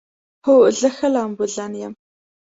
هو، زه ښه لامبوزن یم